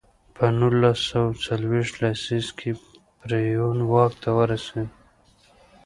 په نولس سوه څلویښت لسیزه کې پېرون واک ته ورسېد.